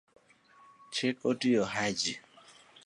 chik otiyo Haji